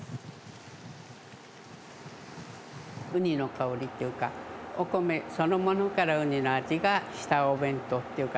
うにの香りっていうかお米そのものからうにの味がしたお弁当っていうか。